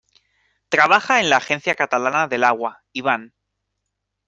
Trabaja en la Agencia Catalana del Agua, Iván.